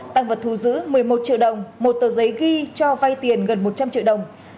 tăng vật thu giữ một mươi một triệu đồng một tờ giấy ghi cho vay tiền gần một trăm linh triệu đồng